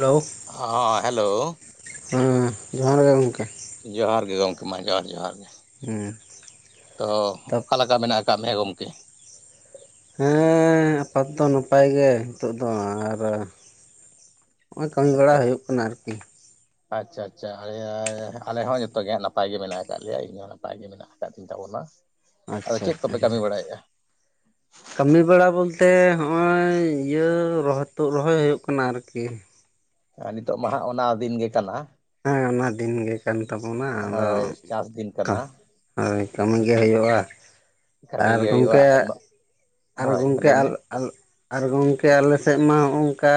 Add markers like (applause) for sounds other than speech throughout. Hello ᱦᱚ hello ᱦᱮᱸ ᱡᱚᱦᱟᱨ ᱜᱮ ᱜᱚᱝᱠᱮ ᱡᱚᱦᱟᱨ ᱜᱮ ᱜᱚᱢᱠᱮ ᱢᱟ ᱡᱚᱦᱟᱨ ᱡᱚᱦᱟᱨ ᱜᱮ ᱦᱮᱸ ᱛᱚ ᱛᱟᱯ ᱚᱠᱟᱞᱮᱠᱟ ᱢᱮᱱᱟᱜ ᱟᱠᱟᱫ ᱢᱮᱭᱟ ᱜᱚᱝᱠᱮ ᱦᱮᱸ ᱟᱯᱟᱛ ᱫᱚ ᱱᱟᱯᱟᱭ ᱜᱮ ᱱᱤᱛᱚᱜ ᱫᱚ ᱟᱨ ᱱᱚᱜᱼᱚᱭ ᱠᱟᱹᱢᱤ ᱵᱟᱲᱟ ᱟᱪᱪᱷᱟ ᱦᱩᱭᱩᱜ ᱠᱟᱱᱟ ᱟᱨᱠᱤ (inaudible) ᱟᱪᱪᱷᱟ ᱟᱪᱪᱷᱟ ᱟ ᱟᱞᱮ ᱦᱚᱸ ᱡᱚᱛᱚᱜᱮ ᱦᱟᱸᱜ ᱱᱟᱯᱟᱭ ᱜᱮ ᱢᱮᱱᱟᱜ ᱟᱠᱟᱫ ᱞᱮᱭᱟ ᱤᱧ ᱦᱚᱸ ᱱᱟᱯᱟᱭ ᱜᱮ ᱢᱮᱱᱟᱜ ᱟᱠᱟᱫ ᱛᱤᱧ ᱛᱟᱵᱚᱱᱟ ᱟᱫᱚ ᱟᱪᱪᱷᱟ ᱪᱮᱫ ᱟᱪᱪᱷᱟ ᱠᱚᱯᱮ ᱠᱟᱹᱢᱤ ᱵᱟᱲᱟᱭᱮᱫᱼᱟ? ᱠᱟᱹᱢᱤ ᱵᱟᱲᱟ ᱵᱚᱞᱛᱮ ᱦᱚᱜᱼᱚᱭ ᱤᱭᱟᱹ ᱨᱚᱦ ᱛᱩᱫ ᱨᱚᱦᱚᱭ ᱦᱩᱭᱩᱜ ᱠᱟᱱᱟ ᱟᱨᱠᱤ ᱱᱤᱛᱚᱜ ᱢᱟ ᱦᱟᱜ ᱚᱱᱟ ᱫᱤᱱ ᱜᱮ ᱠᱟᱱᱟ ᱦᱮᱸ ᱚᱱᱟ ᱫᱤᱱ ᱜᱮ ᱠᱟᱱ ᱛᱟᱵᱚᱱᱟ ᱟᱫᱚ ᱦᱳᱭ ᱪᱟᱥ ᱫᱤᱱ ᱠᱟᱜ ᱠᱟᱱᱟ ᱦᱳᱭ ᱠᱟᱹᱢᱤ ᱜᱮ ᱦᱩᱭᱩᱜᱼᱟ ᱠᱟᱹᱢᱤ ᱟᱨ ᱜᱮ ᱦᱩᱭᱩᱜᱼᱟ ᱜᱚᱢᱠᱮ ᱟᱨ ᱟᱨ ᱦᱳᱭ ᱜᱚᱢᱠᱮ ᱞᱟᱹᱭ ᱢᱮ ᱟᱞ ᱟᱞ ᱟᱨ ᱜᱚᱢᱠᱮ ᱟᱞᱮᱥᱮᱫ ᱢᱟ ᱦᱚᱸᱜᱚᱝᱠᱟ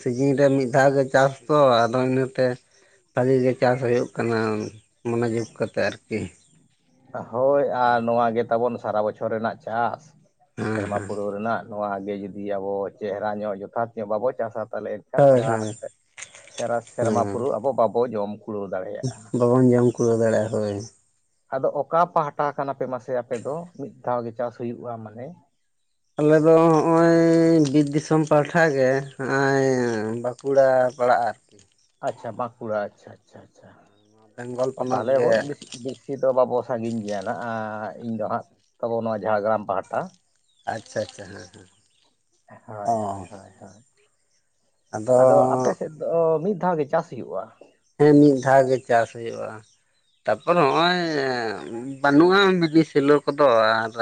ᱥᱤᱡᱤᱱ ᱨᱮ ᱢᱤᱫ ᱫᱷᱟᱣ ᱜᱮ ᱪᱟᱥ ᱛᱚ ᱟᱫᱚ ᱤᱱᱟᱹᱛᱮ ᱵᱷᱟᱹᱜᱤ ᱜᱮ ᱪᱟᱥ ᱦᱩᱭᱩᱜ ᱠᱟᱱᱟ ᱢᱚᱱᱮ ᱡᱳᱜᱽ ᱠᱟᱛᱮ ᱟᱨᱠᱤ ᱦᱳᱭ ᱟᱨ ᱱᱚᱣᱟ ᱜᱮ ᱛᱟᱵᱚᱱ ᱥᱟᱨᱟ ᱵᱚᱪᱷᱚᱨ ᱨᱮᱱᱟᱜ ᱪᱟᱥ, ᱦᱮᱸ ᱥᱮᱨᱢᱟ ᱦᱮᱸ ᱯᱩᱨᱟᱹᱣ ᱨᱮᱱᱟᱜ ᱾ ᱱᱚᱣᱟᱣ ᱜᱮ ᱡᱩᱫᱤ ᱟᱵᱚ ᱪᱮᱦᱨᱟ ᱧᱚᱜ ᱡᱚᱛᱷᱟᱛ ᱧᱚᱜ ᱵᱟᱵᱚ ᱪᱟᱥᱟ ᱛᱟᱦᱚᱞᱮ ᱮᱠᱷᱟᱱ ᱦᱳᱭ ᱥᱟᱨᱟ ᱦᱳᱭ ᱥᱮ ᱥᱟᱨᱟ ᱥᱮᱨᱢᱟ ᱦᱮᱸ ᱯᱩᱨᱟᱹᱣ ᱟᱵᱚ ᱵᱟᱵᱚ ᱡᱚᱢ ᱠᱩᱲᱟᱹᱣ ᱫᱟᱲᱮᱭᱟᱜᱼᱟ ᱾ ᱵᱟᱵᱚᱱ ᱡᱚᱢ ᱠᱩᱲᱟᱹᱣ ᱫᱟᱲᱮᱭᱟᱜᱼᱟ ᱦᱳᱭ᱾ ᱟᱫᱚ ᱚᱠᱟ ᱯᱟᱦᱴᱟ ᱠᱟᱱᱟ ᱯᱮ ᱢᱟᱥᱮ ᱟᱯᱮ ᱫᱚ ᱾ ᱢᱤᱫ ᱫᱷᱟᱣ ᱜᱮ ᱪᱟᱥ ᱦᱩᱭᱩᱜᱼᱟ ᱢᱟᱱᱮ ᱟᱞᱮᱫ ᱫᱚ ᱦᱚᱜᱼᱚᱭ ᱵᱤᱨ ᱫᱤᱥᱚᱢ ᱯᱟᱦᱴᱟ ᱜᱮ ᱱᱚᱜᱼᱚᱭ ᱠᱩᱲᱟᱹ ᱯᱟᱲᱟᱜᱼᱟ ᱟᱨᱠᱤ? ᱟᱪᱷᱟ ᱵᱟᱸᱠᱩᱲᱟ ᱟᱪᱪᱷᱟ ᱟᱪᱪᱷᱟ ᱵᱮᱝᱜᱚᱞ ᱯᱚᱱᱚᱛ ᱛᱟᱦᱚᱞᱮ ᱜᱮ ᱮᱵᱚᱱ ᱵᱮᱥᱤ ᱵᱮᱥᱤ ᱫᱚ ᱵᱟᱵᱚ ᱥᱟᱺᱜᱤᱧ ᱜᱮᱭᱟ ᱱᱟᱜ, ᱤᱧ ᱫᱚ ᱦᱟᱸᱜ ᱛᱟᱵᱚ ᱱᱚᱣᱟ ᱡᱷᱟᱲᱜᱨᱟᱢ ᱯᱟᱦᱴᱟ ᱾ ᱟᱪᱪᱷᱟ ᱟᱪᱪᱷᱟ ᱾ ᱦᱮᱸ ᱦᱮᱸ ᱾ ᱦᱳᱭ ᱦᱳᱭ ᱦᱳᱭ ᱦᱳᱭ᱾ ᱟᱫᱚ ᱟᱯᱮ ᱥᱮᱫ ᱟᱫᱚ ᱢᱤᱫ ᱫᱷᱟᱣ ᱜᱮ ᱪᱟᱥ ᱦᱩᱭᱩᱜᱼᱟ ᱾ ᱦᱮᱸ, ᱢᱤᱫ ᱫᱷᱟᱣ ᱜᱮ ᱪᱟᱥ ᱦᱳᱭᱳᱜᱼᱟ ᱾ ᱛᱟᱯᱚᱨ ᱦᱚᱜᱼᱚᱭ ᱵᱟᱹᱱᱩᱜᱼᱟ ᱢᱤᱱᱤ ᱥᱮᱞᱳ ᱠᱚᱫᱚ ᱟᱨ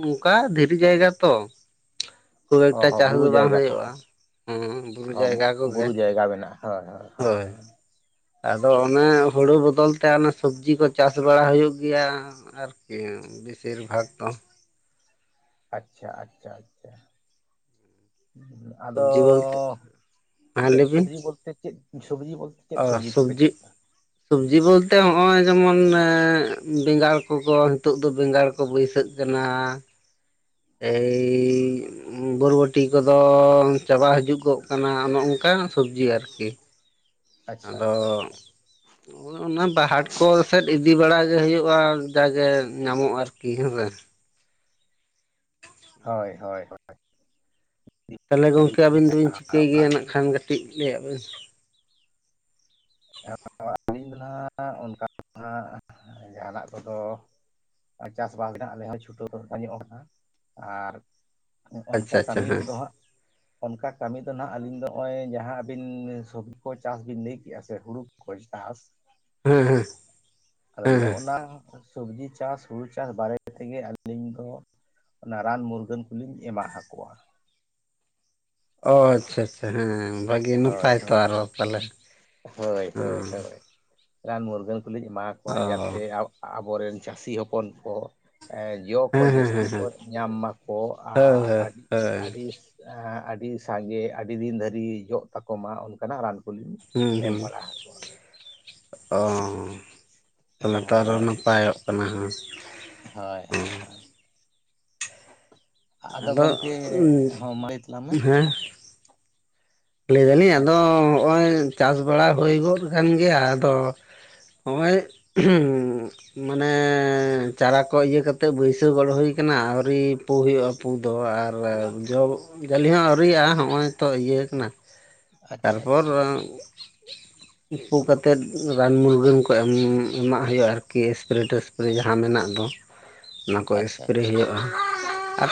ᱱᱚᱝᱠᱟ ᱫᱷᱤᱨᱤ ᱡᱟᱭᱜᱟ ᱛᱚ ᱠᱷᱩᱵ ᱦᱚᱸ ᱮᱠᱴᱟ ᱦᱚᱸ ᱪᱟᱥ ᱫᱚ ᱵᱩᱨᱩ ᱵᱟᱝ ᱡᱟᱭᱜᱟ ᱠᱚ ᱦᱩᱭᱩᱜ-ᱟ ᱾ ᱦᱮᱸ ᱵᱩᱨᱩ ᱦᱚᱸ ᱡᱟᱭᱜᱟ ᱠᱚᱜᱮ᱾ ᱵᱩᱨᱩ ᱡᱟᱭᱜᱟ ᱢᱮᱱᱟᱜᱼᱟ ᱦᱳᱭ (inaudible) ᱦᱳᱭ ᱾ ᱟᱫᱚ ᱚᱱᱮ ᱦᱩᱲᱩ ᱵᱚᱫᱚᱞ ᱛᱮ ᱚᱱᱮ ᱥᱚᱵᱽᱡᱤ ᱠᱚ ᱪᱟᱥ ᱵᱟᱲᱟ ᱦᱩᱭᱩᱜ ᱜᱮᱭᱟ ᱟᱨᱠᱤ ᱾ ᱵᱮᱥᱤᱨ ᱵᱷᱟᱜᱽ ᱫᱚ ᱟᱪᱪᱷᱟ ᱟᱪᱪᱷᱟ ᱟᱪᱪᱷᱟ ᱾ ᱟᱫᱚ, ᱥᱚᱵᱽᱡᱤ ᱵᱚᱞᱛᱮ ᱦᱮᱸ ᱪᱮᱫ ᱥᱚᱵᱽᱡᱤ ᱵᱚᱞᱛᱮ ᱪᱮᱫ ᱥᱚᱵᱡᱤ ᱵᱚᱞᱛᱮ? ᱪᱮᱫ ᱟᱨ ᱠᱚᱯᱮ ᱥᱚᱵᱽᱡᱤ ᱪᱟᱥᱟ ᱥᱚᱵᱽᱡᱤ ᱵᱚᱞᱛᱮ ᱱᱚᱭ ᱡᱮᱢᱚᱱ ᱵᱮᱸᱜᱟᱲ ᱠᱚᱠᱚ ᱱᱤᱛᱚᱜ ᱫᱚ ᱵᱮᱸᱜᱟᱲ ᱠᱚ ᱵᱟᱹᱭᱥᱟᱹᱜ ᱠᱟᱱᱟ (unintelligible) ᱮᱹᱭ ᱵᱚᱨᱵᱚᱴᱤ ᱠᱚᱫᱚ ᱪᱟᱵᱟ ᱦᱤᱡᱩᱜ-ᱚᱜ ᱠᱟᱱᱟ ᱚᱱ-ᱚᱱᱠᱟᱱ ᱥᱚᱵᱽᱡᱤ ᱟᱨᱠᱤ ᱾ ᱟᱪᱪᱷᱟ ᱟᱫᱚ ᱟᱪᱪᱷᱟ ᱟᱪᱪᱷᱟ, ᱚᱱᱟ ᱵᱟ ᱦᱟᱴ ᱠᱚ ᱥᱮᱫ ᱤᱫᱤ ᱵᱟᱲᱟ ᱜᱮ ᱦᱩᱭᱩᱜᱼᱟ, ᱡᱟᱜᱮ ᱧᱟᱢᱚᱜ ᱟᱨᱠᱤ ᱦᱮᱸᱥᱮ ᱾ ᱦᱳᱭ ᱦᱳᱭ ᱦᱳᱭ᱾ ᱛᱟᱦᱚᱞᱮ ᱜᱚᱝᱠᱮ ᱟᱵᱤᱱ ᱫᱚᱵᱤᱱ ᱪᱤᱠᱟᱹᱭ ᱜᱮᱭᱟ ᱱᱟᱜ ᱠᱷᱟᱱ ᱠᱟᱹᱴᱤᱡ ᱞᱟᱹᱭᱟᱫ ᱵᱤᱱ ᱾ (unintelligible) ᱟᱹᱞᱤᱧ ᱫᱚ ᱱᱟᱦᱟᱜ (unintelligible) ᱡᱟᱦᱟᱱᱟᱜ ᱠᱚᱫᱚ ᱪᱟᱥᱵᱟᱥ (unintelligible) ᱟᱞᱮ ᱦᱚᱸ ᱪᱷᱩᱴᱟᱹᱣ ᱧᱚᱜ ᱟᱠᱟᱱᱟ ᱟᱨ ᱱᱚᱝᱠᱟ ᱟᱪᱪᱷᱟ ᱱᱚᱝᱠᱟ ᱟᱪᱪᱷᱟ ᱠᱟᱹᱢᱤ ᱦᱮᱸ ᱨᱮᱫᱚ ᱦᱟᱸᱜ ᱚᱱᱠᱟ ᱠᱟᱹᱢᱤ ᱫᱚ ᱱᱟᱦᱟᱜ ᱟᱹᱞᱤᱧ ᱫᱚ ᱱᱚᱜ-ᱚᱭ ᱡᱟᱦᱟᱸ ᱟᱹᱵᱤᱱ ᱥᱚᱵᱡᱤ ᱠᱚ ᱪᱟᱥ ᱵᱤᱱ ᱞᱟᱹᱭ ᱠᱮ-ᱟ ᱥᱮ ᱦᱩᱲᱩ ᱠᱚ ᱪᱟᱥ ᱦᱮᱸ ᱦᱮᱸ᱾ ᱟᱫᱚ ᱦᱮᱸ ᱦᱮᱸ ᱱᱚᱜ-ᱱᱟ ᱥᱚᱵᱡᱤ ᱪᱟᱥ ᱦᱩᱲᱩ ᱪᱟᱥ ᱵᱟᱨᱮ ᱛᱮᱜᱮ ᱟᱹᱞᱤᱧ ᱫᱚ ᱚᱱᱟ ᱨᱟᱱ ᱢᱩᱨᱜᱟᱹᱱ ᱠᱚᱞᱤᱧ ᱮᱢᱟ ᱟᱠᱚᱣᱟ ᱾ ᱚ ᱟᱪᱪᱷᱟ ᱟᱪᱪᱷᱟ ᱦᱮᱸ ᱵᱷᱟᱹᱜᱤ ᱦᱳᱭ ᱱᱟᱯᱟᱭ ᱦᱳᱭ ᱛᱚ ᱟᱨᱚ ᱛᱟᱦᱞᱮ ᱾ ᱦᱳᱭ ᱦᱳᱭ ᱦᱳᱭ ᱨᱟᱱ ᱢᱩᱨᱜᱟᱹᱱ ᱠᱚᱞᱤᱧ ᱮᱢᱟ ᱠᱚᱣᱟ ᱡᱟᱛᱮ ᱦᱮᱸ ᱟᱵᱚ ᱨᱮᱱ ᱪᱟᱹᱥᱤ ᱦᱚᱯᱚᱱ ᱠᱚ ᱮ ᱡᱚ ᱠᱚ ᱡᱟᱹᱥᱛᱤ ᱦᱮᱸ ᱠᱚ ᱦᱮᱸ ᱧᱟᱢ ᱢᱟᱠᱚ ᱦᱳᱭ ᱟᱨ ᱦᱳᱭ ᱟᱹᱰᱤ ᱦᱳᱭ ᱟᱹᱲᱤᱥᱼᱼ ᱟᱹᱰᱤ ᱥᱟᱸᱜᱮ ᱟᱹᱰᱤ ᱫᱤᱱ ᱫᱷᱟᱹᱨᱤᱡ ᱡᱚᱜ ᱛᱟᱠᱚ ᱢᱟ ᱚᱱᱠᱟᱱᱟᱜ ᱨᱟᱱ ᱠᱚᱞᱤᱧᱼᱼ ᱦᱩᱸ ᱮᱢ ᱦᱩᱸ ᱵᱟᱲᱟ ᱟᱠᱚᱣᱟ ᱾ ᱚ ᱛᱟᱦᱚᱞᱮ ᱦᱮᱸ ᱛᱚ ᱦᱳᱭ ᱟᱨᱚ ᱦᱳᱭ ᱱᱟᱯᱟᱭᱚᱜ ᱠᱟᱱᱟ ᱦᱟᱸᱜ᱾ ᱦᱳᱭ ᱦᱳᱭ ᱦᱳᱭ᱾ ᱟᱫᱚ ᱜᱚᱝᱠᱮ ᱦᱟ ᱢᱟ ᱞᱟᱹᱭ ᱛᱟᱞᱟᱝ ᱢᱮ ᱦᱮᱸ ᱞᱟᱹᱭ ᱫᱟᱞᱤᱧ ᱟᱫᱚ ᱱᱚᱜᱼᱚᱭ ᱪᱟᱥ ᱵᱟᱲᱟ ᱦᱩᱭ ᱜᱚᱫ ᱠᱟᱱ ᱜᱮᱭᱟ ᱟᱫᱚ ᱦᱚᱜᱼᱭ ᱚᱦᱚᱜ ᱩᱸ ᱢᱟᱱᱮ ᱪᱟᱨᱟ ᱠᱚ ᱤᱭᱟᱹ ᱠᱟ ᱠᱟᱛᱮᱫ ᱵᱟᱹᱭᱥᱟᱹᱣ ᱜᱚᱫ ᱦᱩᱭ ᱠᱟᱱᱟ ᱟᱹᱣᱨᱤ ᱯᱩ ᱦᱩᱭᱩᱜᱼᱟ ᱯᱩ ᱫᱚ ᱟᱨ ᱡᱚ ᱡᱟᱹᱞᱤ ᱦᱚᱸ ᱟᱹᱣᱨᱤᱭᱟᱜᱼᱟ ᱦᱚᱜᱼᱚᱭ ᱛᱚ ᱤᱭᱟᱹ ᱠᱟᱱᱟ ᱟᱪᱪᱷᱟ ᱛᱟᱨᱯᱚᱨ ᱟᱪᱪᱷᱟ (inaudible) ᱩᱯᱩ ᱠᱟᱛᱮᱫ ᱨᱟᱱ ᱢᱩᱨᱜᱟᱹᱱ ᱠᱚ ᱮᱢ ᱮᱢᱟᱜ ᱦᱩᱭᱩᱜᱼᱟ ᱟᱨᱠᱤ ᱮᱥᱯᱨᱮ ᱴᱮᱥᱯᱨᱮ ᱡᱟᱦᱟᱸ ᱢᱮᱱᱟᱜ ᱫᱚ ᱚᱱᱟ ᱠᱚ ᱟᱪᱪᱷᱟ ᱮᱯᱨᱮ ᱟᱪᱪᱷᱟ ᱦᱩᱭᱩᱜᱼᱟ ᱟᱨ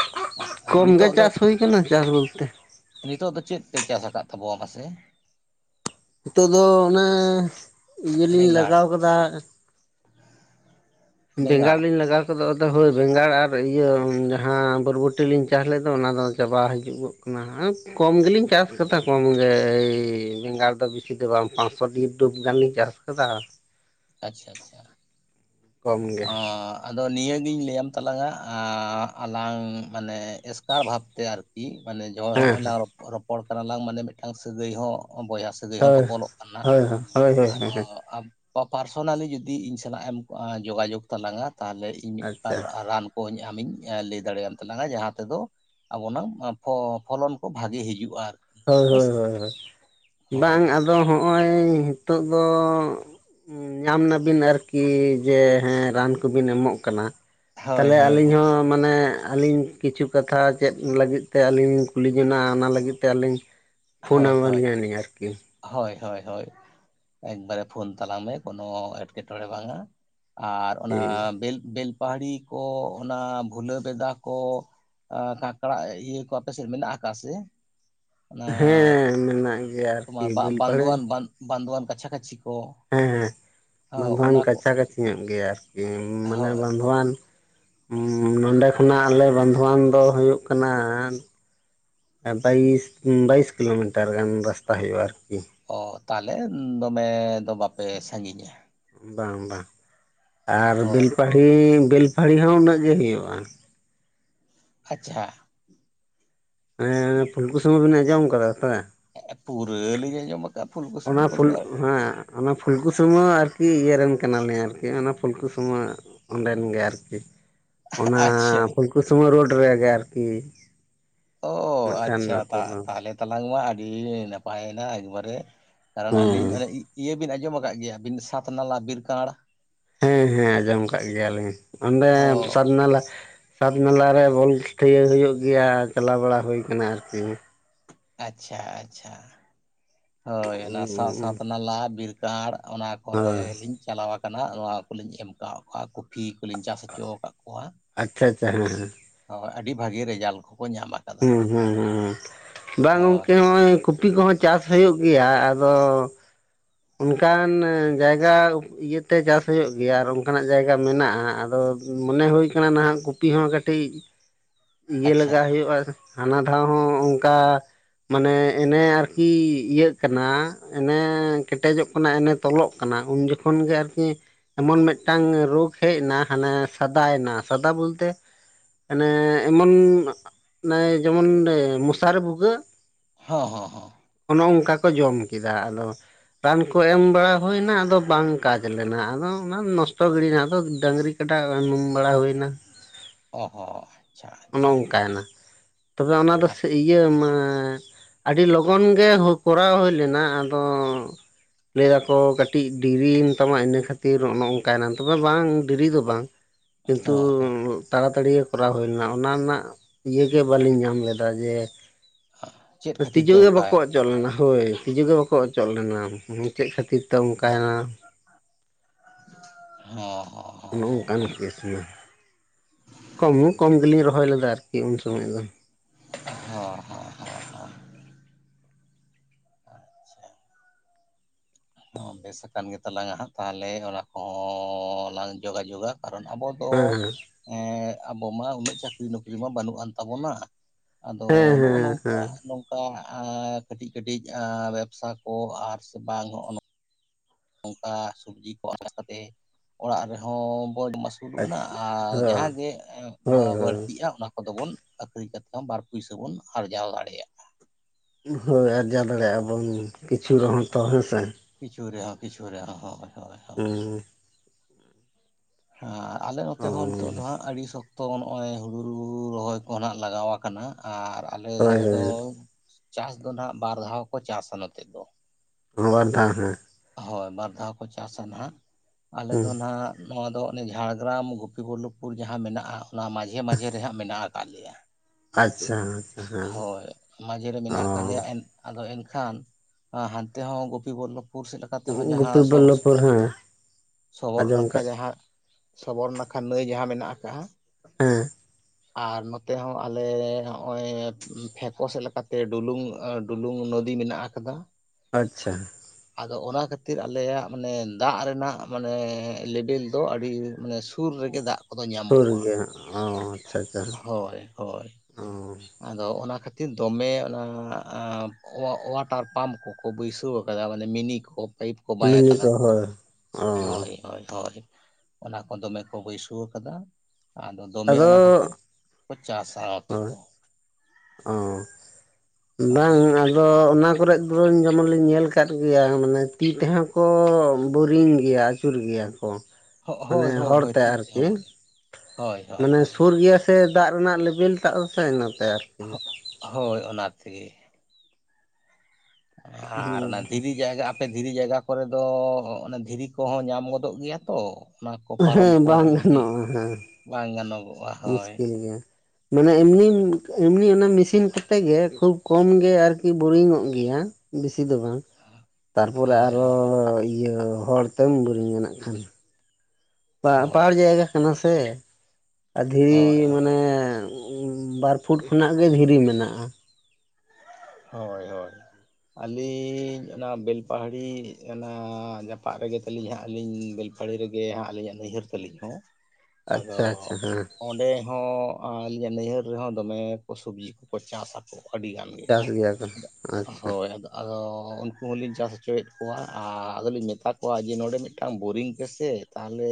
ᱟᱫᱚ ᱠᱚᱢ ᱜᱮ ᱱᱤᱛᱚᱜ ᱫᱚ ᱪᱟᱥ ᱦᱩᱭ ᱪᱟᱥ ᱵᱚᱞᱛᱮ ᱱᱤᱛᱚᱜ ᱫᱚ ᱪᱮᱫ ᱯᱮ ᱪᱟᱥ ᱟᱠᱟᱫ ᱛᱟᱵᱚᱣᱟ ᱯᱟᱥᱮ ᱱᱤᱛᱚᱜ ᱫᱚ ᱚᱱᱮ ᱤᱭᱟᱹ ᱞᱤᱧ ᱵᱮᱸᱜᱟᱲ ᱞᱟᱜᱟᱣ ᱠᱟᱫᱟ, ᱵᱮᱸᱜᱟᱲ ᱵᱮᱝᱜᱟᱲᱚᱞᱤᱧ ᱞᱟᱜᱟᱣ ᱠᱚᱫᱚ ᱦᱳᱭ ᱵᱮᱸᱜᱟᱲ ᱟᱨ ᱤᱭᱟᱹ ᱡᱟᱦᱟᱸ ᱵᱚᱨᱵᱩᱴᱤ ᱞᱤᱧ ᱪᱟᱥ ᱞᱮᱫ ᱫᱚ ᱚᱱᱟ ᱫᱚ ᱪᱟᱵᱟ ᱦᱤᱡᱩᱜ ᱜᱚᱫ ᱠᱚᱢ ᱜᱮᱞᱤᱧ ᱪᱟᱥ ᱟᱠᱟᱫᱟ ᱠᱚᱢ ᱜᱮᱭ ᱮᱭ ᱵᱮᱸᱜᱟᱲ ᱫᱚ ᱵᱤᱥᱤ ᱫᱚ ᱵᱟᱝ ᱯᱟᱸᱥᱥᱚ ᱫ ᱰᱩᱵ (unintelligible) ᱜᱟᱱᱤᱧ ᱪᱟᱥ ᱟᱠᱟᱫᱟ ᱟᱪᱪᱷᱟ ᱟᱪᱪᱷᱟ ᱠᱚᱢ ᱜᱮ ᱟᱨ (unintelligible) ᱟᱫᱚ ᱱᱤᱭᱟᱹᱜᱮᱧ ᱞᱟᱹᱭᱟᱢ ᱛᱟᱞᱟᱝᱟ ᱟᱞᱟᱝ ᱢᱟᱱᱮ ᱮᱥᱠᱟᱨ ᱵᱷᱟᱵᱛᱮ ᱟᱨᱠᱤ ᱠᱤ ᱢᱟᱱᱮ ᱡᱚᱭ ᱦᱚᱸᱜ ᱦᱮᱸ ᱚᱚᱭ ᱦᱮᱸ ᱞᱟᱝ ᱨᱚᱯᱚᱲ ᱠᱟᱱᱟ ᱞᱝ ᱢᱟᱱᱮ ᱢᱤᱫᱴᱟᱝ ᱥᱟᱹᱜᱟᱹᱭ ᱦᱚᱸ ᱵᱚᱭᱦᱟ ᱥᱟᱜᱟᱹᱭ ᱥᱟᱹᱜᱟᱹᱭ ᱦᱚᱸ ᱦᱳᱭ ᱛᱚᱯᱚᱞᱚᱜ ᱠᱟᱱᱟ ᱦᱳᱭ ᱦᱳᱭ ᱦᱳᱭ ᱟᱫᱚ ᱦᱳᱭ ᱯᱟᱨᱥᱚᱱᱟᱞᱤ ᱡᱩᱫᱤ ᱤᱧ ᱥᱟᱞᱟᱜ ᱮᱢ ᱠᱚᱜᱼᱟ ᱡᱳᱜᱟᱡᱳᱜᱽ ᱛᱟᱞᱟᱝᱟ ᱛᱟᱦᱚᱞᱮ ᱤᱧ ᱢᱤᱫ ᱟᱪᱪᱷᱟ ᱵᱟᱨ ᱨᱟᱱ ᱠᱚ ᱟᱢᱤᱧ ᱞᱟᱹᱭ ᱫᱟᱲᱮᱭᱢ ᱛᱟᱞᱟᱝᱟ ᱡᱟᱦᱟᱸ ᱛᱮᱫᱚ ᱟᱵᱚᱱᱟᱝ ᱯᱷᱚᱞᱚᱱ ᱠᱚ ᱵᱷᱟᱜᱮ ᱦᱤᱡᱩᱜᱼᱟ ᱟᱨ ᱦᱳᱭ ᱦᱳᱭᱭ ᱵᱟᱝ ᱦᱳᱭ ᱟᱫᱚ ᱦᱚᱜᱼᱚᱭ ᱱᱤᱛᱚᱜ ᱫᱚ ᱧᱟᱢ ᱱᱟᱵᱤᱱ ᱟᱨᱠᱤ ᱡᱮ ᱦᱮᱸ ᱨᱟᱱ ᱠᱚᱵᱤᱱ ᱮᱢᱚᱜ ᱠᱟᱱᱟ ᱦᱳᱭ ᱛᱟᱦᱚᱞᱮ ᱦᱳᱭ ᱟᱹᱞᱤᱧ ᱦᱳᱭ ᱦᱚᱸ ᱢᱟᱱᱮ ᱟᱹᱞᱤᱧ ᱠᱤᱪᱷᱩ ᱠᱟᱛᱷᱟ ᱪᱮᱫ ᱞᱟᱹᱜᱤᱫ ᱛᱮ ᱟᱹᱞᱤᱧ ᱞᱤᱧ ᱠᱩᱞᱤ ᱡᱚᱱᱟᱜ ᱚᱱᱟ ᱞᱟᱹᱜᱤᱛ ᱛᱚ ᱟᱹᱞᱤᱧ ᱯᱷᱳᱱ ᱦᱳᱭ ᱟᱢᱟ ᱦᱳᱭ ᱞᱤᱧᱞᱤᱧ ᱟᱨᱠᱤ ᱦᱳᱭ ᱦᱳᱭ ᱦᱳᱭ ᱮᱠᱵᱟᱨᱮ ᱯᱷᱳᱱ ᱛᱟᱞᱟᱝ ᱢᱮ ᱠᱳᱱᱳ ᱮᱴᱠᱮᱴᱚᱬᱮ ᱵᱟᱝᱟ ᱟᱨ ᱚᱱᱟ ᱴᱷᱤᱠ ᱵᱮᱞ ᱵᱮᱞᱯᱟᱦᱟᱲᱤ ᱠᱚ ᱚᱱᱟ ᱵᱷᱩᱞᱟᱹᱵᱮᱫᱟ ᱠᱚ ᱠᱟᱸᱠᱲᱟ ᱤᱭᱟᱹ ᱠᱚ ᱟᱯᱮ ᱥᱮᱫ ᱢᱮᱱᱟᱜ ᱟᱠᱟ ᱥᱮ ᱦᱮᱸ ᱢᱮᱱᱟᱜ ᱜᱮᱭᱟ ᱟᱨᱠᱤ ᱛᱢᱟᱨ (unintelligible) ᱵᱮᱞᱯᱟᱦᱟᱲᱤ ᱵᱟᱱᱫᱚᱟᱱ ᱵᱟᱱᱫᱣᱟᱱ ᱠᱟᱪᱷᱟ ᱠᱟᱪᱷᱤ (unintelligible) ᱦᱮᱸ ᱦᱮᱸ ᱦᱚᱸ ᱵᱟᱟᱱᱫᱷᱣᱟᱱ ᱚᱱᱟ ᱠᱚ ᱠᱟᱪᱷᱟ ᱠᱟᱪᱷᱤ ᱧᱚᱜ ᱜᱮᱭᱟ ᱟᱨᱠᱤ ᱢᱟᱱᱮ ᱦᱳᱭ ᱵᱟᱱᱫᱷᱣᱟᱱ ᱱᱚᱸᱰᱮ ᱠᱷᱚᱱᱟᱜ ᱟᱞᱮ ᱵᱟᱱᱫᱷᱩᱣᱟᱱ ᱫᱚ ᱦᱩᱭᱩᱜ ᱠᱟᱱᱟ ᱵᱟᱭᱤᱥ ᱵᱟᱭᱤᱥ ᱠᱤᱞᱳᱢᱤᱴᱟᱨ ᱜᱟᱱ ᱨᱟᱥᱛᱟ ᱦᱩᱭᱩᱜᱼᱟ ᱟᱨᱠᱤ ᱚ ᱛᱟᱦᱚᱞᱮ ᱫᱚᱢᱮ ᱫᱚ ᱵᱟᱯᱮ ᱥᱟᱺᱜᱤᱧᱟ ᱵᱟᱝ ᱵᱟᱝ ᱟᱨ ᱚ ᱵᱮᱞᱯᱟᱲᱦᱤ ᱵᱮᱞᱯᱟᱦᱟᱦᱟᱲᱤ ᱦᱚᱸ ᱩᱱᱟᱹᱜ ᱜᱮ ᱦᱩᱭᱩᱜᱼᱟ ᱟᱪᱷᱟ ᱾ ᱦᱮᱸ ᱯᱷᱩᱞᱠᱩᱥᱢᱩ ᱵᱮᱱ ᱟᱸᱡᱚᱢ ᱟᱠᱟᱫᱟ ᱛᱚᱵᱮ ᱯᱩᱨᱟᱹ ᱞᱤᱧ ᱟᱡᱚᱢᱟᱠ ᱚᱱᱟ ᱯᱷᱱ ᱦᱮᱸ (unintelligible) ᱚᱱᱟ ᱯᱷᱩᱞᱠᱩᱥᱢᱟᱹ ᱟᱨᱠᱤ ᱤᱭᱟᱹ ᱨᱮᱱ ᱠᱟᱱᱟᱞᱤᱧ ᱟᱨᱠᱤ ᱚᱱᱟ ᱯᱷᱩᱞᱠᱩᱥᱢᱟᱹ ᱚᱸᱰᱮᱱ ᱜᱮ ᱟᱨᱠᱤ ᱚᱱᱟ ᱟᱪᱪᱷᱟ ᱯᱷᱩᱞᱠᱩᱥᱢᱟᱹ ᱨᱳᱰ ᱨᱮᱜᱮ ᱟᱨᱠᱤ ᱚ ᱱᱟᱜ ᱠᱷᱟᱱ ᱟᱪᱷᱟ ᱟᱛᱳ ᱫᱚ ᱛᱟᱦᱚᱞᱮ ᱛᱟᱞᱟᱝ ᱢᱟ ᱟᱹᱰᱤ ᱱᱟᱯᱟᱭᱮᱱᱟ ᱮᱠᱵᱟᱨᱮ ᱠᱟᱨᱚᱱ ᱟᱹᱞᱤᱧ ᱚᱱᱮ ᱤᱭᱟᱹ ᱵᱤᱱ ᱟᱸᱡᱚᱢ ᱟᱠᱟᱫ ᱜᱮᱭᱟ ᱵᱤᱱ ᱥᱟᱛ ᱱᱟᱞᱟ ᱵᱤᱨ ᱠᱟᱣᱬᱟ ᱾ ᱦᱮᱸ ᱦᱮᱸ ᱟᱸᱡᱚᱢ ᱠᱟᱜ ᱜᱮᱭᱟᱞᱤᱧ ᱚᱸᱰᱮ ᱦᱚᱸ ᱥᱟᱛ ᱢᱮᱞᱟ ᱥᱟᱛ ᱢᱮᱞᱟ ᱨᱮ ᱵᱚᱞ ᱠᱷᱴᱷᱤᱭᱟ (unintelligible) ᱹ ᱦᱩᱭᱩᱜ ᱜᱮᱭᱟ ᱪᱟᱞᱟᱣ ᱵᱟᱲᱟ ᱦᱩᱭ ᱟᱠᱟᱱᱟ ᱟᱨᱠᱤ ᱟᱪᱷᱟ ᱟᱪᱷᱟ ᱦᱳᱭ ᱚᱱᱟ ᱥᱟᱶ ᱥᱟᱛ ᱱᱟᱞᱟᱦᱟ ᱵᱤᱨ ᱠᱟᱬ ᱚᱱᱟ ᱠᱚᱨᱮ ᱦᱳᱭ ᱞᱤᱧᱼᱼ ᱪᱟᱞᱟ ᱣᱟᱠᱟᱱᱟ ᱱᱚᱣᱟ ᱠᱩᱞᱤᱧ ᱮᱢ ᱟᱠᱟᱣᱟᱜ ᱠᱚᱣᱟ ᱠᱩᱯᱷᱤ ᱠᱩᱞᱤᱧ ᱪᱟᱥ ᱦᱚᱪᱚ ᱣᱟᱠᱟᱜ ᱠᱚᱣᱟ᱾ ᱟᱪᱷᱟ ᱟᱪᱷᱟ ᱦᱮᱸ ᱦᱮᱸ᱾ ᱦᱚᱭ ᱟᱹᱰᱤ ᱵᱷᱟᱜᱮ ᱨᱮᱡᱟᱞ ᱠᱚ ᱦᱚᱸᱠᱚ ᱧᱟᱢᱟ᱾ ᱦᱩᱸ ᱦᱩᱸ ᱦᱩᱸ ᱦᱩᱸ ᱵᱟᱝ ᱦᱳᱭ ᱜᱚᱝᱠᱮ ᱦᱚᱸᱜ-ᱚᱭ ᱠᱩᱯᱤ ᱠᱚᱦᱚᱸᱼᱼ ᱪᱟᱥ ᱦᱚᱭᱩᱜ ᱜᱮᱭᱟ ᱟᱫᱚᱼᱼ ᱚᱱᱠᱟᱱ ᱡᱟᱭᱜᱟ ᱤᱭᱟᱹᱛᱮ ᱪᱟᱥ ᱦᱚᱭᱩᱜ ᱜᱮᱭᱟ ᱟᱨ ᱚᱱᱠᱟ ᱱᱟᱜ ᱡᱟᱭᱜᱟ ᱢᱮᱱᱟᱜ-ᱟ ᱟᱫᱚᱼᱼ ᱢᱚᱱᱮ ᱦᱩᱭ ᱠᱟᱱᱟ ᱱᱟᱦᱟᱸᱜ ᱠᱩᱯᱤ ᱦᱚᱸ ᱠᱟᱹᱴᱤᱡᱼᱼ (unintelligible) ᱤᱭᱟᱹ ᱞᱟᱜᱟ ᱦᱩᱭᱩᱜᱼᱟ ᱦᱟᱱᱟ ᱫᱷᱟᱣ ᱦᱚᱸ ᱚᱱᱠᱟ ᱢᱟᱱᱮ ᱮᱱᱮ ᱟᱨ ᱠᱤ ᱤᱭᱟᱹ ᱠᱟᱱᱟ ᱮᱱᱮᱼᱼ ᱠᱮᱴᱮᱡᱚᱜ ᱠᱟᱱᱟ ᱮᱱᱮ ᱛᱚᱞᱚᱜ ᱠᱟᱱᱟ ᱩᱱ ᱡᱚᱠᱷᱚᱱ ᱜᱮ ᱟᱨ ᱠᱤᱼᱼ ᱮᱢᱚᱱ ᱢᱤᱫᱴᱟᱝ ᱨᱳᱜᱽ ᱦᱮᱡ ᱮᱱᱟ ᱦᱟᱱᱮ ᱥᱟᱫᱟ ᱭᱮᱱᱟ ᱥᱟᱫᱟ ᱵᱩᱞᱛᱮᱼᱼ ᱢᱟᱱᱮ ᱮᱢᱚᱱ ᱚᱱᱮ ᱡᱮᱢᱚᱱ ᱮᱻ ᱢᱚᱥᱟᱨᱤ ᱵᱷᱩᱜᱟᱹᱜᱼᱼ ᱦᱚᱸ ᱦᱚᱸ ᱦᱚᱸ᱾ ᱚᱱᱮ ᱚᱱᱠᱟ ᱠᱚ ᱡᱚᱢ ᱠᱮᱫᱟ ᱟᱫᱚᱼᱼ ᱨᱟᱱ ᱠᱚ ᱮᱢ ᱵᱟᱲᱟ ᱦᱚᱭᱱᱟ ᱟᱫᱚ ᱵᱟᱝ ᱠᱟᱡᱽ ᱞᱮᱱᱟ ᱟᱫᱚ ᱚᱱᱟ ᱱᱚᱥᱴᱚ ᱜᱤᱰᱤᱭᱱᱟ ᱟᱫᱚ ᱰᱟᱹᱝᱨᱤᱼᱼ ᱮᱴᱟᱜᱟᱜ ᱠᱚ ᱮᱢ ᱵᱟᱲᱟ ᱦᱩᱭ ᱱᱟ᱾ ᱚ ᱦᱚᱭ᱾ ᱚᱱᱮ ᱚᱱᱠᱟᱭ ᱱᱟ ᱛᱚᱵᱮ ᱚᱱᱟ ᱫᱚ ᱥᱮ ᱤᱭᱟᱹ ᱟᱪᱪᱷᱟ ᱢᱟᱼᱼ ᱟᱹᱰᱤ ᱞᱚᱜᱚᱱ ᱜᱮ ᱦᱚ ᱠᱚᱨᱟᱣ ᱦᱩᱭ ᱞᱮᱱᱟ ᱟᱫᱚᱼᱼ ᱞᱟᱹᱭ ᱫᱟᱠᱚ ᱠᱟᱹᱴᱤᱡ ᱰᱤᱨᱤ ᱭᱮᱱ ᱛᱟᱢᱟ ᱤᱱᱟᱹ ᱠᱷᱟᱹᱛᱤᱨ ᱱᱚᱜ-ᱚ ᱱᱚᱝᱠᱟᱭ ᱱᱟ ᱛᱮ ᱵᱟᱝ ᱫᱤᱨᱤ ᱫᱚ ᱵᱟᱝ᱾ ᱟᱪᱪᱷᱟ ᱠᱤᱱᱛᱩ ᱦᱳᱭ ᱦᱳᱭ ᱛᱟᱲᱟ ᱛᱟᱹᱲᱤ ᱠᱚᱨᱟᱣ ᱦᱩᱭ ᱞᱮᱱᱟ ᱚᱱᱟ ᱨᱮᱱᱟᱜᱼᱼ ᱤᱭᱟᱹ ᱜᱮ ᱵᱟᱹᱞᱤᱧ ᱧᱟᱢ ᱞᱮᱫᱟ ᱡᱮ ᱪᱮᱫ ᱠᱷᱟᱹᱛᱤᱨ ᱛᱤᱡᱩ ᱛᱮ ᱮ ᱜᱮ ᱚᱱᱠᱟ ᱵᱟᱠᱚᱼᱼ ᱦᱚᱸ ᱪᱚᱜ ᱞᱮᱱᱟ ᱦᱳᱭ ᱛᱤᱡᱩ ᱜᱮ ᱵᱟᱠᱚ ᱚᱪᱚᱜ ᱞᱮᱱᱟ ᱚᱸᱻ ᱪᱮᱫ ᱠᱷᱟᱹᱛᱤᱨ ᱛᱮ ᱚᱱᱠᱟᱭ ᱱᱟᱼᱼ ᱦᱚᱸ ᱦᱚᱸ᱾ ᱱᱚᱜ-ᱚᱱᱠᱟᱱ ᱠᱮᱥ ᱱᱟ ᱠᱚᱢ ᱦᱚᱸ ᱠᱚᱢ ᱜᱤᱞᱤᱧ ᱨᱚᱦᱚᱭ ᱞᱮᱫᱟ ᱟᱨᱠᱤ ᱩᱱ ᱥᱚᱢᱚᱭ ᱫᱚ᱾ ᱦᱚᱸ ᱦᱚᱸ᱾ ᱦᱚᱸ ᱦᱚᱸ ᱦᱚᱸ ᱵᱮᱥ ᱟᱠᱟᱱ ᱜᱮ ᱛᱟᱞᱟᱝ ᱟ ᱦᱟᱸᱜ ᱛᱟᱦᱚᱞᱮ ᱚᱱᱟ ᱠᱚᱦᱚᱸ ᱞᱟᱝ ᱡᱚᱜᱟᱡᱚᱜᱟ ᱠᱟᱨᱚᱱ ᱟᱵᱚᱼᱼ ᱦᱮᱸ ᱦᱮᱸ᱾ ᱮᱸᱻ ᱟᱵᱚ ᱢᱟ ᱩᱱᱟᱹᱜ ᱪᱟᱠᱨᱤ ᱱᱚᱠᱨᱤ ᱢᱟ ᱵᱟᱱᱩᱜ ᱟᱱ ᱛᱟᱵᱚᱱᱟ᱾ ᱟᱫᱚ ᱦᱮᱸ ᱦᱮᱸ ᱱᱚᱜ-ᱚ ᱦᱮᱸ ᱱᱚᱝᱠᱟ ᱦᱮᱸ ᱱᱚᱝᱼᱼ ᱠᱟ ᱟᱨ ᱠᱟᱹᱴᱤᱡ ᱠᱟᱹᱴᱤᱡ ᱟᱨ ᱵᱮᱵᱽᱥᱟ ᱠᱚ ᱟᱨ ᱥᱮ ᱵᱟᱝ ᱦᱚᱸᱜ-ᱚ ᱱᱚᱼᱼ ᱚᱱᱠᱟ ᱥᱚᱵᱽᱡᱤ ᱠᱚ ᱪᱟᱥ ᱠᱟᱛᱮᱜ ᱚᱲᱟᱜ ᱨᱮᱦᱚᱸ ᱵᱚ ᱡᱚᱢ ᱢᱟᱥᱮᱼᱼ ᱛᱩᱞᱩᱜ ᱟᱱᱟ ᱟᱨ ᱟᱪᱪᱷᱟ ᱡᱟᱦᱟᱸ ᱜᱮ ᱮ ᱵᱟ ᱦᱳᱭ ᱦᱳᱭ ᱵᱟᱹᱲᱛᱤᱜ-ᱟ ᱚᱱᱟ ᱠᱚᱫᱚ ᱵᱚᱱᱼᱼ ᱟᱹᱠᱷᱨᱤᱧ ᱠᱟᱛᱮ ᱦᱚᱸ ᱵᱟᱨ ᱯᱩᱭᱥᱟᱹ ᱵᱚᱱ ᱟᱨᱡᱟᱣ ᱫᱟᱲᱮᱭᱟᱜ᱾ ᱦᱚᱭ ᱟᱨᱡᱟᱣ ᱫᱟᱲᱮᱭᱟᱜ-ᱟ ᱵᱚᱱ ᱠᱤᱪᱷᱩ ᱨᱮᱦᱚᱸ ᱛᱚ ᱦᱮᱸᱥᱮ᱾ ᱠᱤᱪᱷᱩ ᱨᱮᱦᱚᱸ ᱠᱤᱪᱷᱩ ᱨᱮᱦᱚᱸ ᱦᱚᱸ ᱦᱚᱭ ᱦᱚᱭ᱾ ᱦᱩᱸ ᱦᱟᱸ ᱟᱞᱮ ᱚ ᱱᱚᱛᱮ ᱦᱚᱸ ᱱᱤᱛᱚᱜ ᱫᱚ ᱦᱟᱸᱜ ᱟᱹᱰᱤ ᱥᱚᱠᱼᱼ ᱛᱚ ᱱᱚᱜ-ᱚᱭ ᱦᱩᱲᱩ ᱨᱚᱦᱚᱭ ᱠᱚ ᱦᱚᱸ ᱱᱟᱜ ᱞᱟᱜᱟᱣ ᱠᱟᱱᱟ ᱟᱨ ᱟᱞᱮ ᱦᱳᱭ ᱫᱷᱟᱨᱮ ᱫᱚᱼᱼ ᱪᱟᱥ ᱫᱚ ᱱᱟᱦᱟᱸᱜ ᱵᱟᱨ ᱫᱷᱟᱣ ᱠᱚ ᱪᱟᱥᱟ ᱱᱚᱛᱮ ᱫᱚ᱾ ᱦᱩᱲᱩ ᱵᱟᱨ ᱫᱟᱸ ᱦᱮᱸ᱾ ᱦᱚᱭ ᱵᱟᱨ ᱫᱷᱟᱣ ᱠᱚ ᱪᱟᱥᱟ ᱱᱟᱦᱟᱸᱜ ᱟᱞᱮ ᱦᱩᱸ ᱫᱚ ᱱᱟᱦᱟᱸᱜᱼᱼ ᱱᱚᱣᱟ ᱫᱚ ᱚᱱᱮ ᱡᱷᱟᱲᱜᱨᱟᱢ ᱜᱚᱯᱤ ᱵᱚᱞᱞᱚᱠᱽᱯᱩᱨ ᱡᱟᱦᱟᱸ ᱢᱮᱱᱟᱜ-ᱟ, ᱚᱱᱟ ᱢᱟᱡᱷᱮ ᱢᱟᱡᱷᱮ ᱨᱮ ᱦᱟᱸᱜ ᱢᱮᱱᱟᱜ ᱟᱠᱟᱜ ᱞᱮᱭᱟ᱾ ᱟᱪᱪᱷᱟ ᱟᱸᱻ᱾ ᱦᱚᱭ ᱢᱟᱡᱷᱮ ᱨᱮ ᱢᱮᱱᱟᱜ ᱟᱠᱟᱜ ᱞᱮᱭᱟ ᱮᱱᱼᱼ ᱟᱫᱚ ᱮᱱᱠᱷᱟᱱ ᱦᱟᱱᱛᱮ ᱦᱚᱸ ᱜᱚᱯᱤ ᱵᱚᱞᱞᱚᱠ ᱯᱩᱨ ᱥᱮᱫ ᱞᱮᱠᱼᱼ ᱠᱟ ᱛᱮᱦᱚᱸ ᱡᱟᱦᱟᱸ ᱜᱩᱯᱤ ᱥᱚᱜ ᱥᱚ ᱵᱚᱞᱞᱚᱯᱩᱨ ᱦᱮᱸ ᱥᱚᱜᱚᱫ ᱟᱸᱡᱚᱢ ᱱᱟᱠᱷᱟ ᱠᱟᱜ ᱡᱟᱦᱟᱸᱼᱼ ᱥᱚᱵᱚᱨ ᱱᱟᱠᱷᱟ ᱱᱟᱹᱭ ᱡᱟᱦᱟᱸ ᱢᱮᱱᱟᱜ ᱟᱠᱟᱟᱜ-ᱟᱼᱼ ᱦᱮᱸ᱾ ᱟᱨ ᱱᱚᱛᱮ ᱦᱚᱸ ᱟᱞᱮ ᱦᱚᱜᱼᱚᱭ ᱯᱷᱮᱠᱚ ᱥᱮᱫ ᱞᱮᱠᱟᱛᱮ ᱰᱩᱞᱩᱝ ᱟᱨ ᱰᱩᱞᱩᱝ ᱱᱚᱫᱤ ᱢᱮᱱᱟᱜ ᱟᱠᱟᱫᱟ ᱟᱪᱪᱷᱟ ᱟᱫᱚ ᱚᱱᱟ ᱠᱷᱟᱹᱛᱤᱨ ᱟᱞᱮᱭᱟᱜ ᱢᱟᱱᱮ ᱫᱟᱜ ᱨᱮᱱᱟᱜ ᱢᱟᱱᱮ ᱞᱮᱵᱮᱞ ᱫᱚ ᱟᱹᱰᱤ ᱢᱟᱱᱮ ᱥᱩᱨ ᱨᱮᱜᱮ ᱫᱟᱜ ᱠᱚᱫᱚ ᱥᱩᱨ ᱧᱟᱢᱚᱜᱼᱟ ᱜᱮᱭᱟ ᱚ ᱟᱪᱪᱷᱟ ᱟᱪᱪᱷᱟ ᱦᱚᱭ ᱦᱚᱭ ᱚ ᱟᱫᱚ ᱚᱱᱟ ᱠᱷᱟᱹᱛᱤᱨ ᱫᱚᱢᱮ ᱚᱱᱟ ᱚᱣᱟᱴᱟᱨ ᱯᱟᱢ ᱠᱚ ᱠᱚ ᱵᱟᱹᱭᱥᱟᱹᱣ ᱟᱠᱟᱫᱟ ᱢᱟᱱᱮ ᱢᱤᱱᱤ ᱠᱚ ᱯᱟᱭᱤᱯ ᱠᱚ ᱵᱟᱭ ᱢᱤᱱᱤ ᱟᱠᱟᱫᱟ ᱠᱚ ᱦᱳᱭ ᱚ ᱦᱚᱭ ᱦᱚᱭ ᱦᱚᱭ ᱚᱱᱟ ᱠᱚ ᱫᱚᱢᱮ ᱠᱚ ᱵᱟᱹᱭᱥᱟᱹᱣ ᱟᱠᱟᱫᱟ ᱟᱫᱚ ᱫᱚᱢᱮ ᱚᱱᱟ ᱠᱷᱟᱹᱛᱤᱨ ᱠᱚ ᱪᱟᱥᱟ ᱱᱚᱛᱮᱫ ᱫᱚ ᱚᱸᱻ ᱵᱟᱝ ᱦᱳᱭ ᱟᱨᱼᱼ ᱟᱫᱚ ᱚᱱᱟ ᱠᱚᱨ ᱫᱚᱧ ᱡᱮᱢᱚᱱ ᱞᱤᱧ ᱧᱮᱞ ᱟᱠᱟᱫ ᱜᱮᱭᱟ ᱢᱟᱱᱮ ᱛᱤ ᱛᱮᱦᱚᱸ ᱠᱚ ᱵᱳᱨᱤᱝ ᱜᱮᱭᱟ ᱟᱹᱪᱩᱨ ᱜᱮᱭᱟ ᱠᱚ ᱢᱟᱱᱮ ᱦᱳᱭ ᱦᱳᱭ ᱦᱚᱲ ᱦᱳᱭ ᱛᱮ ᱛᱤ ᱛᱮᱦᱚᱸ ᱟᱨᱠᱤ ᱵᱚᱱ ᱦᱳᱭ ᱦᱳᱭ ᱢᱟᱱᱮ ᱥᱩᱨ ᱜᱮᱭᱟ ᱥᱮ ᱫᱟᱜ ᱨᱮᱱᱟᱜ ᱞᱮᱵᱮᱞ ᱴᱟᱜ ᱫᱚ ᱥᱮ ᱤᱱᱟᱛᱮ ᱟᱨᱠᱤ ᱦᱚᱭ ᱚᱱᱟ ᱛᱮᱜᱮ ᱟᱨ ᱚᱱᱟ ᱫᱷᱤᱨᱤ ᱡᱟᱭᱜᱟ ᱟᱯᱮ ᱫᱷᱤᱨᱤ ᱡᱟᱭᱜᱟ ᱠᱚᱨᱮ ᱫᱚ ᱚᱱᱮ ᱫᱷᱤᱨᱤ ᱠᱚᱦᱚᱸ ᱧᱟᱢ ᱜᱚᱫᱚᱜ ᱜᱮᱭᱟ ᱛᱚ ᱚᱱᱟ ᱠᱚ ᱯᱟᱨᱚᱢ ᱦᱮᱸ ᱠᱚ ᱵᱟᱝ ᱟᱹᱰᱤ ᱜᱟᱱᱚᱜᱼᱟ ᱦᱮᱸ (unintelligible) ᱵᱟᱝ ᱜᱟᱱᱚᱜᱚᱜᱼᱟ ᱦᱳᱭ ᱢᱩᱥᱠᱤᱞ ᱜᱮᱭᱟ (unintelligible) ᱢᱟᱱᱮ ᱮᱢᱱᱤ ᱢᱩᱥᱠᱤᱞ ᱮᱢᱱᱤ ᱚᱱᱟ ᱢᱮᱥᱤᱱ ᱠᱟᱛᱮᱫ ᱜᱮ ᱠᱷᱩᱵ ᱠᱚᱢᱜᱮ ᱟᱨᱠᱤ ᱵᱳᱨᱤᱝ ᱚᱜ ᱜᱮᱭᱟ ᱵᱤᱥᱤ ᱫᱚ ᱵᱟᱝ ᱛᱟᱨᱯᱚᱨᱮ ᱦᱳᱭ ᱟᱨᱚ ᱦᱳᱭ ᱤᱭᱟᱹ ᱦᱚᱲ ᱛᱮᱢ ᱵᱚᱨᱤᱝ-ᱟ ᱱᱟᱜᱠᱷᱟᱱ (unintelligible) ᱦᱳᱭ ᱯᱟᱦᱟᱲ ᱡᱟᱭᱜᱟ ᱠᱟᱱᱟ ᱥᱮ (unintelligible) ᱟᱨ ᱫᱷᱤᱨᱤ ᱦᱳᱭ ᱢᱟᱱᱮ ᱦᱳᱭ (unintelligible) ᱵᱟᱨ ᱯᱷᱩᱴ ᱠᱷᱚᱱᱟᱜ ᱜᱮ ᱫᱷᱤᱨᱤ ᱢᱮᱱᱟᱜᱼᱟ (unintelligible) ᱦᱳᱭ ᱦᱳᱭ ᱟᱹᱞᱤᱧ ᱚᱱᱟ ᱵᱮᱞᱯᱟᱦᱟᱲᱤ ᱚᱱᱟ ᱡᱟᱯᱟᱜ ᱨᱮᱜᱮ ᱛᱟᱹᱞᱤᱧ ᱦᱟᱸᱜ ᱟᱹᱞᱤᱧ ᱵᱮᱞᱯᱟᱦ ᱟᱲᱤ ᱨᱮᱜᱮ ᱦᱟᱸᱜ ᱟᱹᱞᱤᱧᱟᱜ ᱱᱟᱹᱭᱦᱟᱹᱨ ᱛᱟᱹᱞᱤᱧ ᱦᱚᱸ ᱟᱫᱚ ᱟᱪᱪᱷᱟ ᱟᱪᱪᱷᱟ ᱦᱮᱸ ᱚᱸᱰᱮ ᱦᱚᱸ ᱟᱹᱞᱤᱧᱟᱜ ᱱᱟᱹᱭᱦᱟᱹᱨ ᱨᱮᱦᱚᱸ ᱫᱚᱢᱮ ᱠᱚ ᱥᱚᱵᱽᱡᱤ ᱠᱚᱠᱚ ᱪᱟᱥ ᱟᱠᱚ ᱟᱹᱰᱤᱜᱟᱱ ᱪᱟᱥ ᱜᱮᱭᱟ ᱠᱚ (unintelligible) ᱟᱪᱪᱷᱟ ᱦᱳᱭ ᱟᱫᱚ ᱟᱫᱚ ᱩᱱᱠᱩ ᱦᱚᱸᱞᱤᱧ ᱪᱟᱥ ᱦᱚᱪᱚᱭᱮᱫ ᱠᱚᱣᱟ ᱟᱨ ᱟᱫᱚᱞᱤᱧ ᱢᱮᱛᱟ ᱠᱚᱣᱟ ᱡᱮ ᱱᱚᱸᱰᱮ ᱢᱤᱫᱴᱟᱝ ᱵᱳᱨᱤᱝ ᱯᱮᱥᱮ ᱛᱟᱦᱚᱞᱮ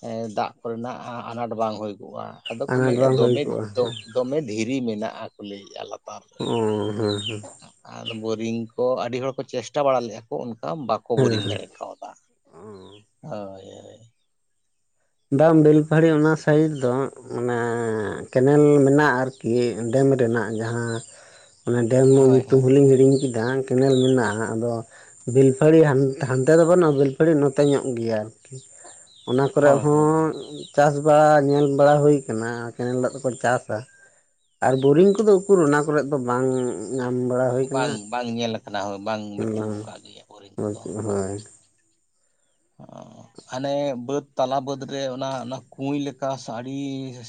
(unintelligible) ᱫᱟᱜ ᱠᱚᱨᱮᱱᱟᱜ ᱟᱱᱟᱴ ᱵᱟᱝ ᱦᱩᱭᱠᱚᱜᱼᱟ ᱟᱫᱚ ᱠᱚ ᱟᱱᱟᱴ ᱢᱮᱱᱮᱫᱼᱟ ᱵᱟᱝ ᱦᱩᱭ ᱠᱚᱜᱼᱟ ᱫᱚᱢᱮ (unintelligible) ᱫᱷᱤᱨᱤ ᱢᱮᱱᱟᱜᱼᱟ ᱠᱚ ᱞᱟᱹᱭᱮᱫᱼᱟ ᱞᱟᱛᱟᱨ ᱨᱮ ᱚ ᱦᱩᱸ ᱦᱩᱸ ᱟᱫᱚ ᱵᱳᱨᱤᱝ ᱠᱚ ᱟᱹᱰᱤ ᱦᱚᱲ ᱠᱚ ᱪᱮᱥᱴᱟ ᱵᱟᱲᱟ ᱞᱮᱫᱼᱟ ᱠᱚ ᱚᱱᱠᱟ ᱵᱟᱠᱚ (unintelligible) ᱦᱮᱸ ᱵᱳᱨᱤᱝ ᱦᱮᱸ ᱫᱟᱲᱮ ᱠᱟᱣᱫᱟ (unintelligible) ᱦᱳᱭ ᱦᱳᱭ ᱵᱟᱝ ᱵᱮᱞᱯᱟᱦᱟᱲᱤ ᱚᱱᱟ ᱥᱟᱭᱤᱰ ᱫᱚ ᱚᱱᱟ ᱠᱮᱱᱮᱞ ᱢᱮᱱᱟᱜᱼᱟ ᱟᱨᱠᱤ (unintelligible) ᱰᱮᱢ ᱨᱮᱱᱟᱜ ᱡᱟᱦᱟᱸ (unintelligible) ᱚᱱᱟ ᱰᱮᱢ ᱦᱳᱭ ᱧᱩᱛᱩᱢ ᱦᱳᱭ ᱦᱚᱞᱤᱧ ᱦᱤᱲᱤᱧ ᱠᱮᱫᱟ ᱠᱮᱱᱮᱞ ᱢᱮᱱᱟᱜᱼᱟ ᱟᱫᱚ ᱵᱮᱞᱯᱟᱦᱟᱲᱤ ᱦᱟᱱᱛᱮ ᱫᱚ ᱵᱟᱹᱱᱩᱜᱼᱟ ᱵᱮᱞᱯᱟᱦᱟᱲᱤ ᱱᱚᱛᱮ ᱧᱚᱜ ᱜᱮᱭᱟ ᱟᱨᱠᱤ ᱚᱱᱟ ᱠᱚᱨᱮ ᱦᱳᱭ ᱦᱳᱭ ᱦᱚᱸ ᱦᱳᱭ ᱪᱟᱥ ᱵᱟᱲᱟ ᱧᱮᱞ ᱵᱟᱲᱟ ᱦᱩᱭ ᱟᱠᱟᱱᱟ ᱠᱮᱱᱮᱞ ᱫᱟᱜ ᱛᱮᱠᱚ ᱪᱟᱥᱟ ᱟᱨ ᱵᱳᱨᱤᱝ ᱠᱚᱫᱚ ᱩᱠᱩᱨ ᱚᱱᱟ ᱠᱚᱨᱮᱫ ᱫᱚ ᱵᱟᱝ ᱧᱟᱢ ᱵᱟᱲᱟ ᱦᱩᱭ ᱟᱠᱟᱱᱟ ᱵᱟᱝ ᱵᱟᱝ ᱧᱮᱞ ᱟᱠᱟᱱᱟ ᱦᱳᱭ (unintelligible) ᱵᱟᱹᱪᱩᱜ ᱵᱟᱝ ᱟᱠᱟᱫ ᱜᱮᱭᱟ ᱵᱳᱨᱤᱝ (unintelligible) ᱦᱳᱭ ᱠᱚᱫᱚ ᱛᱚᱵᱮ ᱦᱳᱭ (unintelligible) ᱦᱟᱱᱮ ᱵᱟᱹᱫᱽ ᱛᱟᱞᱟ ᱵᱟᱹᱫᱽ ᱨᱮ (unintelligible) ᱚᱱᱟ ᱠᱩᱭ ᱞᱮᱠᱟ ᱟᱹᱰᱤ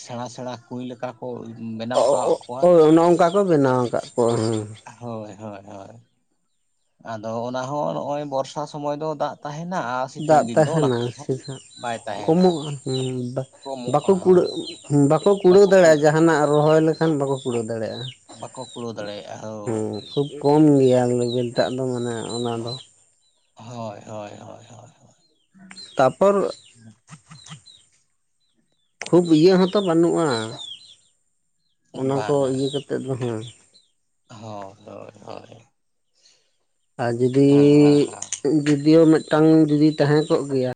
ᱥᱮᱬᱟ ᱥᱮᱬᱟ ᱠᱩᱭ ᱞᱮᱠᱟ ᱠᱚ ᱵᱮᱱᱟᱣ ᱠᱟᱣᱚᱜ ᱠᱚᱣᱟ ᱱᱚᱜ-ᱚ ᱱᱚᱝᱠᱟ ᱠᱚ ᱵᱮᱱᱟᱣ ᱟᱠᱟᱫ ᱠᱚᱣᱟ, ᱦᱚᱸ ᱦᱳᱭ ᱦᱳᱭ ᱦᱳᱭ ᱟᱫᱚ ᱚᱱᱟ ᱦᱚᱸ ᱱᱚᱜᱼᱚᱭ ᱵᱚᱨᱥᱟ ᱥᱚᱢᱚᱭ ᱫᱚ ᱫᱟᱜ ᱛᱟᱦᱮᱱᱟ ᱥᱤᱛᱩᱝ ᱫᱟᱜ ᱫᱤᱱ ᱫᱚ ᱚᱱᱟ ᱛᱟᱦᱮᱱᱟ ᱠᱚᱨᱮ ᱦᱚᱸ ᱥᱮ ᱦᱟᱜ ᱵᱟᱭ (unintelligible) ᱛᱟᱦᱮᱱᱟ ᱠᱚᱢᱚᱜᱼᱟ (unintelligible) ᱵᱟᱠᱚ ᱠᱚᱢᱚᱜᱼᱟ ᱦᱳᱭ ᱠᱩᱲᱟᱹᱜ-ᱟ ᱵᱟᱠᱚ ᱠᱩᱲᱟᱹᱣ ᱫᱟᱲᱮᱭᱟᱜᱼᱟ ᱡᱟᱦᱟᱱᱟᱜ ᱨᱚᱦᱚᱭ ᱞᱮᱠᱷᱟᱱ ᱵᱟᱠᱚ ᱠᱩᱲᱟᱹᱣ ᱫᱟᱲᱮᱭᱟᱜᱼᱟ ᱵᱟᱠᱚ ᱠᱩᱲᱟᱹᱣ ᱫᱟᱲᱮᱭᱟᱜᱼᱟ (unintelligible) ᱦᱮᱸ ᱦᱳᱭ ᱠᱷᱩᱵ ᱠᱚᱢ ᱜᱮᱭᱟ ᱞᱮᱵᱮᱞ ᱴᱟᱜ ᱫᱚ ᱢᱟᱱᱮ ᱚᱱᱟ ᱫᱚ ᱦᱚᱭ ᱦᱚᱭ ᱦᱚᱭ ᱦᱚᱭ ᱦᱚᱭ ᱛᱟᱯᱚᱨ ᱦᱮᱸ ᱠᱷᱩᱵ ᱤᱭᱟᱹ ᱦᱚᱛᱚ ᱵᱟᱹᱱᱩᱜ-ᱟ (unintelligible) ᱚᱱᱟ ᱠᱚ ᱵᱟᱝᱟ ᱤᱭᱟᱹ ᱠᱟᱛᱮᱫ ᱫᱚ ᱦᱟᱜ ᱦᱳᱭ ᱦᱳᱭ ᱦᱳᱭ ᱟᱨ ᱡᱩᱫᱤ ᱦᱮᱸ ᱦᱮᱸ (unintelligible) ᱡᱫᱤᱭᱳ ᱢᱤᱫᱴᱟᱝ ᱡᱩᱫᱤ ᱛᱟᱦᱮᱸ ᱠᱚᱜ ᱜᱮᱭᱟ